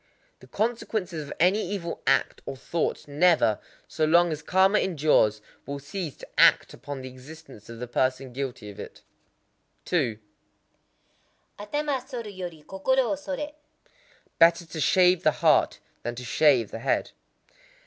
The consequence of any evil act or thought never,—so long as karma endures,—will cease to act upon the existence of the person guilty of it. 2.—Atama soru yori kokoro wo soré. Better to shave the heart than to shave the head.